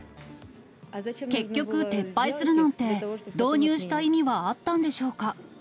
結局、撤廃するなんて、導入した意味はあったんでしょうか。